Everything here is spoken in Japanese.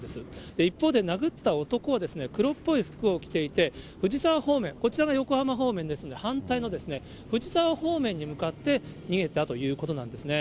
一方で、殴った男は黒っぽい服を着ていて、藤沢方面、こちらが横浜方面ですが、反対の藤沢方面に向かって逃げたということなんですね。